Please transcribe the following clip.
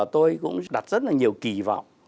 tôi cũng đặt rất là nhiều kỳ vọng